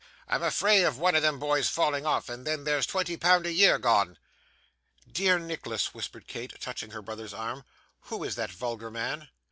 I'm afraid of one of them boys falling off and then there's twenty pound a year gone.' 'Dear Nicholas,' whispered Kate, touching her brother's arm, 'who is that vulgar man?